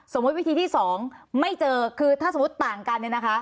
สมมุติวิธีที่๒ไม่เจอคือถ้าสมมุติต่างกันนะคะ